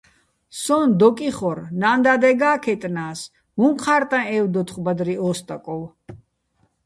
სოჼ დოკ იხორ, ნა́ნ-და́დეგა́ ქაიტნა́ს: "უ̂ჼ ჴა́რტაჼ ე́ვდოთხო̆ ბადრი ო სტაკოვ!"